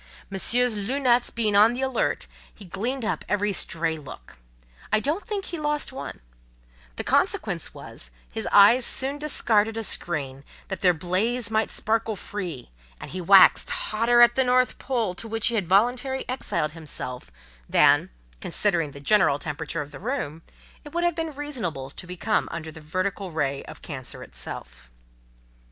Monsieur's lunettes being on the alert, he gleaned up every stray look; I don't think he lost one: the consequence was, his eyes soon discarded a screen, that their blaze might sparkle free, and he waxed hotter at the north pole to which he had voluntarily exiled himself, than, considering the general temperature of the room, it would have been reasonable to become under the vertical ray of Cancer itself.